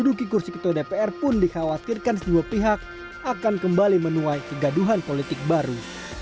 menduduki kursi ketua dpr pun dikhawatirkan sebuah pihak akan kembali menuai kegaduhan politik baru